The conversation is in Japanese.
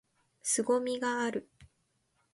凄みがある！！！！